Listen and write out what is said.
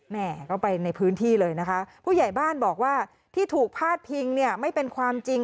แม่ก็ไปในพื้นที่เลยนะคะผู้ใหญ่บ้านบอกว่าที่ถูกพาดพิงเนี่ยไม่เป็นความจริง